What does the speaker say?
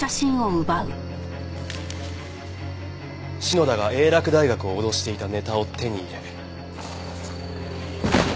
篠田が英洛大学を脅していたネタを手に入れ。